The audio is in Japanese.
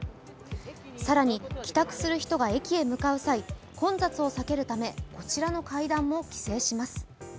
更に、帰宅する人が駅へ向かう際混雑を避けるためこちらの階段も規制します。